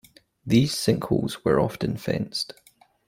These sinkholes were often fenced.